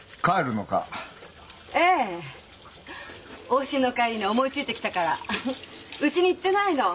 往診の帰りに思いついて来たからうちに言ってないの。